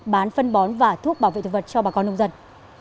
bán phân bón và thuốc bảo vệ thực vật cho bà con nông dân